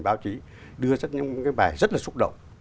báo chí đưa ra những cái bài rất là xúc động